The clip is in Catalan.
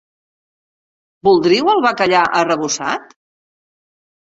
Voldríeu el bacallà arrebossat?